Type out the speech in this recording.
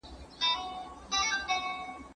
¬ د کمبلي پر يوه سر غم وي، پر بل سر ئې ښادي.